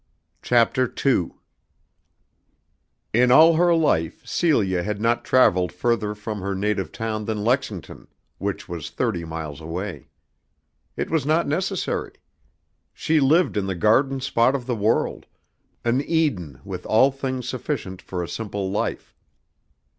CHAPTER II. In all her life Celia had not travelled further from her native town than Lexington, which was thirty miles away. It was not necessary. She lived in the garden spot of the world, an Eden with all things sufficient for a simple life.